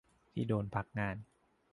ที่โดนพักงาน